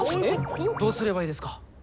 どうすればいいですか？